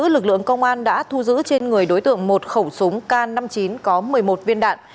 lực lượng công an đã thu giữ trên người đối tượng một khẩu súng k năm mươi chín có một mươi một viên đạn